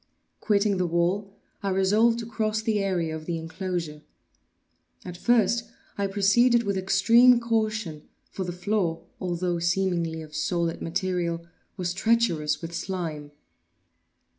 Quitting the wall, I resolved to cross the area of the enclosure. At first I proceeded with extreme caution, for the floor, although seemingly of solid material, was treacherous with slime.